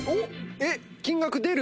えっ金額出る？